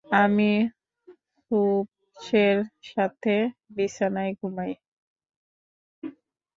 আমি সুপসের সাথে বিছানায় ঘুমাই।